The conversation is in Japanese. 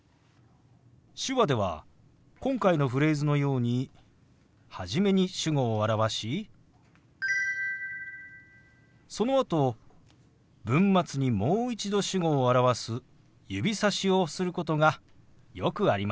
手話では今回のフレーズのように初めに主語を表しそのあと文末にもう一度主語を表す指さしをすることがよくあります。